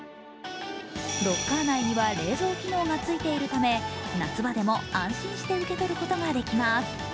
ロッカー内には冷蔵機能がついているため夏場でも安心して受け取ることができます。